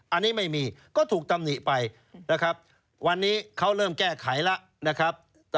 อันนี้ไม่มีก็ถูกตำหนิไปนะครับวันนี้เขาเริ่มแก้ไขแล้วนะครับ